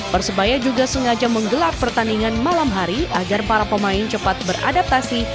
persebaya juga sengaja menggelar pertandingan malam hari agar para pemain cepat beradaptasi